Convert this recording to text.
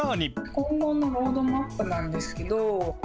今後のロードマップなんですけど。